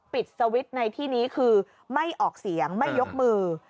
สวิตช์ในที่นี้คือไม่ออกเสียงไม่ยกมือ